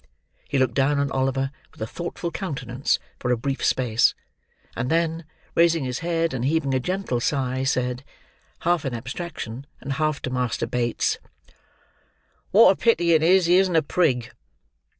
He looked down on Oliver, with a thoughtful countenance, for a brief space; and then, raising his head, and heaving a gentle sign, said, half in abstraction, and half to Master Bates: "What a pity it is he isn't a prig!"